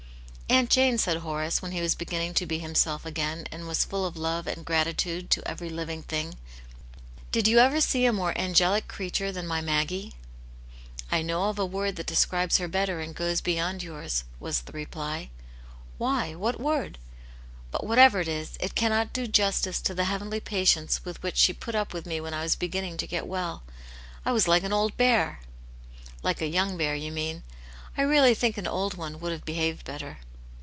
"Aunt Jane," said Horace, when he was beginning to be himself again, and was full of love and grati tude to every living thing, " did you ever see a more angelic creature than my Maggie ?'''' I know of a word that describes her better and goes beyond yours," was the reply, " Why, what word ? But whatever it is it cannot do justice to the heavenly patience with which she put up with me when I was beginning to get well. I was like an old bear." " Like a young bear, you mean. I really think an old one would have behaved better."